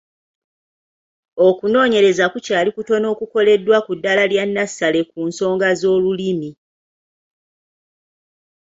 Okunoonyereza kukyali kutono okukoleddwa ku ddaala lya nnasale ku nsonga z’olulimi.